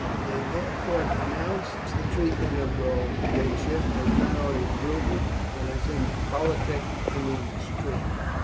They, therefore, denounced the treatment of Boadicea as not only brutal but as impolitic in the extreme.